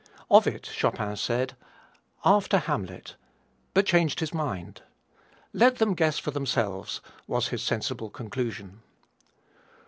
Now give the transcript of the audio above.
Of it Chopin said: "After Hamlet," but changed his mind. "Let them guess for themselves," was his sensible conclusion.